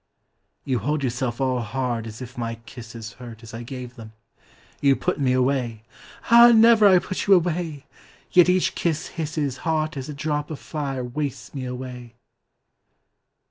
You hold yourself all hard as if my kisses Hurt as I gave them you put me away Ah never I put you away: yet each kiss hisses Hot as a drop of fire wastes me away.